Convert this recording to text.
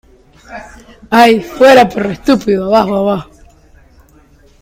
¡ Ay! ¡ fuera, perro estúpido !¡ abajo !¡ abajo !